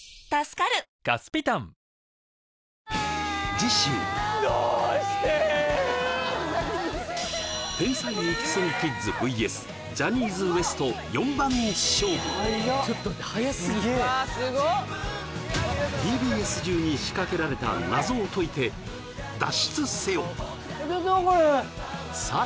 次週天才イキスギキッズＶＳジャニーズＷＥＳＴ４番勝負ＴＢＳ中に仕掛けられた謎を解いて脱出せよ！